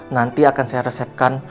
nanti akan saya resepkan